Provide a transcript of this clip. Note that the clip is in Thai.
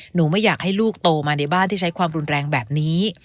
หนูไม่อยากให้ลูกโตมาในบ้านที่ใช้ความรุนแรงแบบนี้